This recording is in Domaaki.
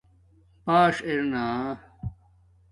باݽ ارنݳ